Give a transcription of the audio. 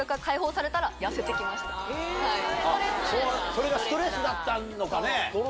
それがストレスだったのかね？